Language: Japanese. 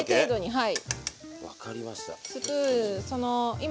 はい。